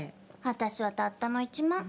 私はたったの１万。